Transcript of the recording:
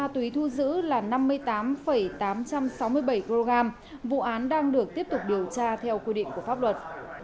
thu giữ là năm mươi tám tám trăm sáu mươi bảy kg vụ án đang được tiếp tục điều tra theo quy định của pháp luật